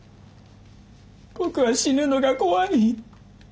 僕は死ぬのが怖い。